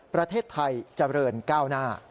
ประเทศไทยเจริญก้าวหน้า